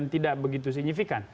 tidak begitu signifikan